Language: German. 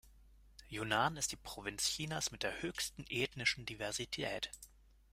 Yunnan ist die Provinz Chinas mit der höchsten ethnischen Diversität.